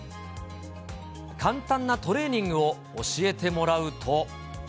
簡単なトレーニングを教えてもらうと。